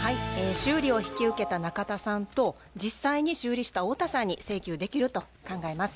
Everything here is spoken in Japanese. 修理を引き受けた中田さんと実際に修理した太田さんに請求できると考えます。